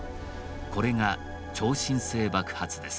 これが超新星爆発です